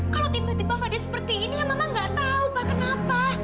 kalau tiba tiba fadil seperti ini ya mama gak tahu pak kenapa